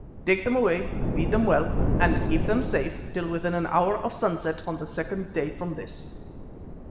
Take them away, feed them well and keep them safe till within an hour of sunset on the second day from this."